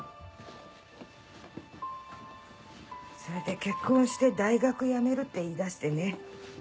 それで結婚して大学辞めるって言い出してね。